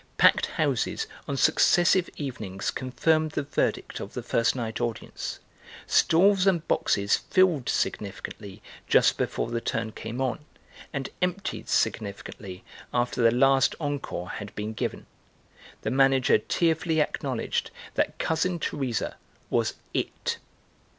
Packed houses on successive evenings confirmed the verdict of the first night audience, stalls and boxes filled significantly just before the turn came on, and emptied significantly after the last encore had been given. The manager tearfully acknowledged that Cousin Teresa was It.